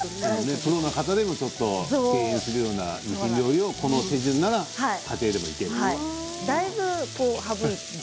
プロの方でもちょっと敬遠するような料理もこの手順なら家庭でもいけると。